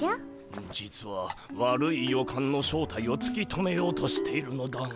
実は悪い予感の正体をつき止めようとしているのだが。